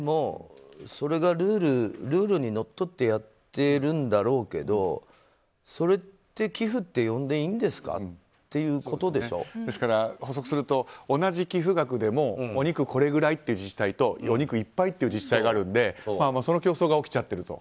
それがルールにのっとってやってるんだろうけどそれって寄付と呼んでいいんですか補足すると、同じ寄付額でもお肉これぐらいという自治体とお肉いっぱいの自治体があるのでその競争が起きちゃってると。